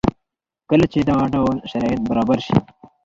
کله چې دغه ډول شرایط برابر شي